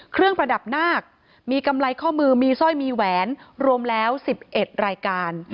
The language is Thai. ประดับนาคมีกำไรข้อมือมีสร้อยมีแหวนรวมแล้ว๑๑รายการ